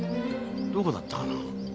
どこだったかな。